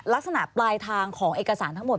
ลักษณะปลายทางของเอกสารทั้งหมด